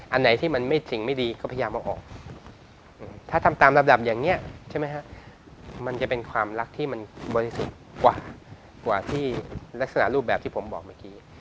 อันไหนที่มันไม่สิ่งไม่ดีก็พยายามเอาออกถ้าทำตามระดับอย่างนี้ใช่ไหมฮะมันจะเป็นความรักที่มันบริสุทธิ์กว่าที่ลักษณะรูปแบบที่ผมบอกเมื่อกี้